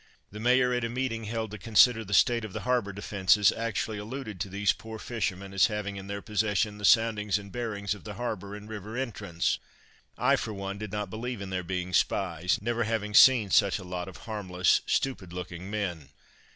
The mayor at a meeting held to consider the state of the harbour defences, actually alluded to these poor fishermen as having in their possession the soundings and bearings of the harbour and river entrance. I, for one, did not believe in their being spies, never having seen such a lot of harmless, stupid looking men.